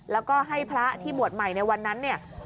แล้วให้พระที่บวดใหม่ในวันนั้น